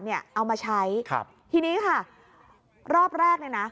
เอามาใช้ทีนี้ค่ะรอบแรกนะ